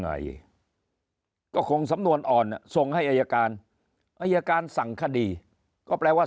ไหนก็คงสำนวนอ่อนส่งให้อายการอายการสั่งคดีก็แปลว่า